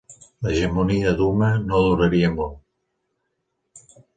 L'hegemonia d'Umma no duraria molt.